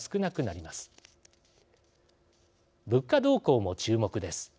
物価動向も注目です。